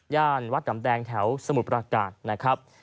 วัดดำแดงแถวสมุทรประกาศนะครับ